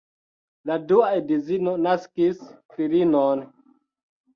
La dua edzino naskis filinon.